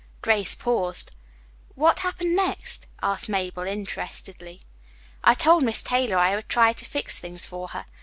Grace paused. "What happened next?" asked Mabel interestedly. "I told Miss Taylor I would try to fix things for her.